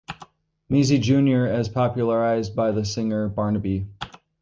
Meazie Junior, as popularized by the singer Barnabee.